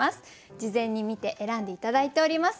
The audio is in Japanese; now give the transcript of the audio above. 事前に見て選んで頂いております。